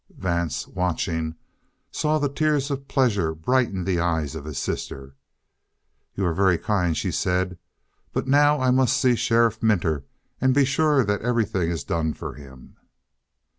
Vance, watching, saw the tears of pleasure brighten the eyes of his sister. "You are very kind," she said. "But now I must see Sheriff Minter and be sure that everything is done for him."